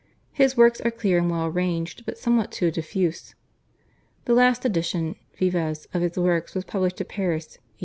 His works are clear and well arranged but somewhat too diffuse. The last edition (Vives) of his works was published at Paris (1856 61).